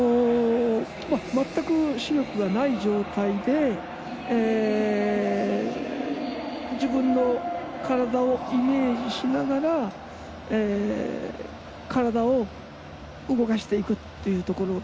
全く視力がない状態で自分の体をイメージしながら体を動かしていくというところ。